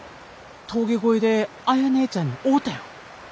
峠越えで綾ねえちゃんに会うたよ。